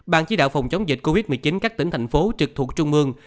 ban chí đạo phòng chống dịch covid một mươi chín các tỉnh thành phố trực thuộc trung mương